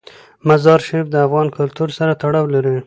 مزارشریف د افغان کلتور سره تړاو لري.